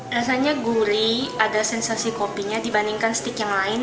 rasanya gurih ada sensasi kopinya dibandingkan stik yang lain